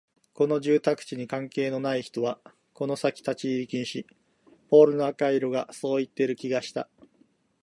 この住宅地に関係のない人はこの先立ち入り禁止、ポールの赤色がそう言っている気がした